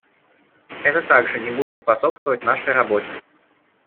Это также не будет способствовать нашей работе.